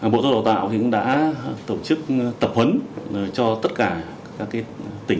bộ giáo dục đào tạo cũng đã tổ chức tập huấn cho tất cả các tỉnh